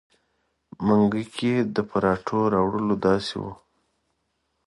منګي کې د پراټو راوړل داسې وو.